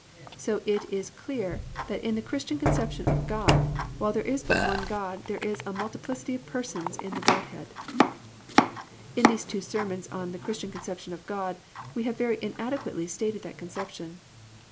So it is clear that in the Christian conception of God while there is but one God there is a multiplicity of persons in the one Godhead. In these two sermons on "The Christian Conception of God" we have very inadequately stated that conception.